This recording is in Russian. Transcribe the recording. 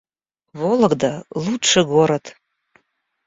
Вологда — лучший город